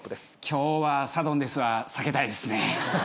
今日はサドンデスは避けたいですね。